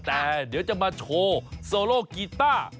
แต่เดี๋ยวจะมาโชว์โซโลกีต้า